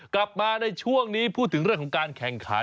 กลับมาในช่วงนี้พูดถึงเรื่องของการแข่งขัน